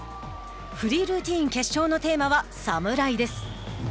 フリールーティンの決勝のテーマは侍です。